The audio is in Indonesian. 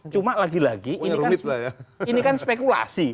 cuma lagi lagi ini kan spekulasi